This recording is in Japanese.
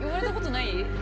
ない。